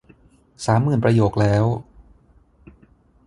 สามหมื่นประโยคแล้ว